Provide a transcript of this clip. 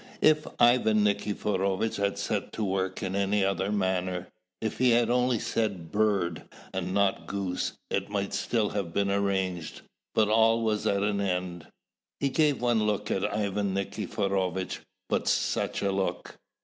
If Ivan Nikiforovitch had set to work in any other manner, if he had only said bird and not goose, it might still have been arranged, but all was at an end. He gave one look at Ivan Nikiforovitch, but such a look!